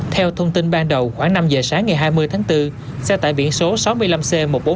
theo thông tin ban đầu khoảng năm giờ sáng ngày hai mươi tháng bốn xe tải biển số sáu mươi năm c một mươi bốn nghìn năm trăm sáu mươi ba